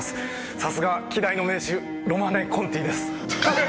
さすがは稀代の銘酒「ロマネ・コンティ」です！